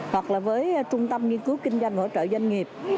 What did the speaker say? hoặc là với trung tâm nghiên cứu kinh doanh hỗ trợ doanh nghiệp